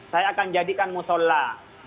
saya akan jadikanmu sholat